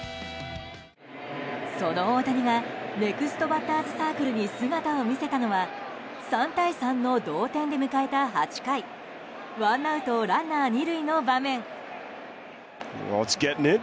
その大谷がネクストバッターズサークルに姿を見せたのは３対３の同点で迎えた８回ワンアウトランナー２塁の場面。